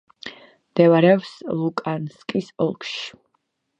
მდებარეობს ლუგანსკის ოლქში.